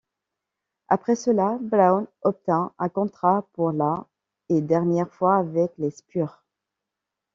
Après cela, Brown obtint un contrat pour la et dernière fois avec les Spurs.